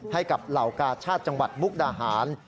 เหล่ากาชาติจังหวัดมุกดาหาร